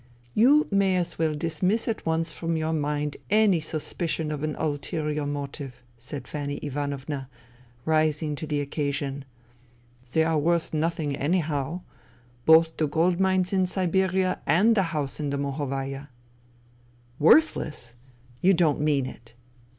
" You may as well dismiss at once from your mind any suspicion of an ulterior motive," said Fanny Ivanovna, rising to the occasion. " They are worth nothing, anyhow ... both the gold mines in Siberia and the house in the Mohovaya." " Worthless ! You don't mean it ?